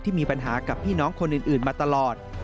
มีปัญหากับพี่น้องคนอื่นมาตลอด